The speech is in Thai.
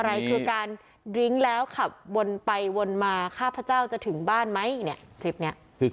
อะไรคือการดริ้งแล้วขับวนไปวนมาข้าพเจ้าจะถึงบ้านไหมเนี่ยคลิปนี้